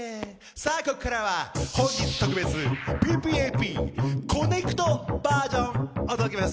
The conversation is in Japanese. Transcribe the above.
さあ、ここからは本日特別、ＰＰＡＰコネクトバージョン、お届けします。